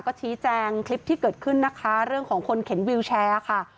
ก็ชี้แจงคลิปที่เกิดขึ้นนะคะเรื่องของคนเข็นวิวแชร์ค่ะ